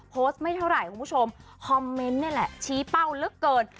ไม่เท่าไหร่คุณผู้ชมคอมเมนต์นี่แหละชี้เป้าเหลือเกิน